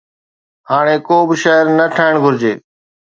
هاڻي ڪو به شهر نه ٺهڻ گهرجي